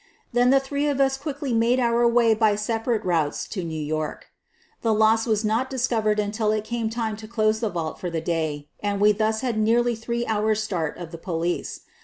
Then the three of us quickly made our way by separate routes to New York. The loss was not discovered until it came time to close the vault for the day, and we thus had nearly three hours' start of the police.